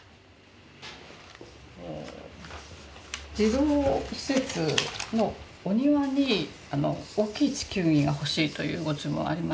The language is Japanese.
児童施設のお庭に大きい地球儀が欲しいというご注文ありまして。